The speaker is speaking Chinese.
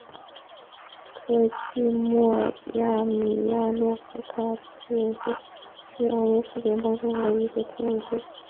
科济莫杰米亚诺夫卡村委员会是俄罗斯联邦阿穆尔州坦波夫卡区所属的一个村委员会。